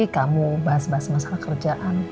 kamu bahas bahas masalah kerjaan